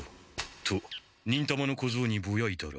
と忍たまの小僧にぼやいたら。